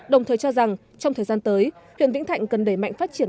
đồng thời cho rằng trong thời gian tới huyện vĩnh thạnh cần đẩy mạnh phát triển